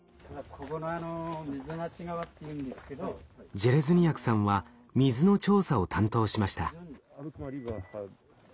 ジェレズニヤクさんは水の調査を担当しました。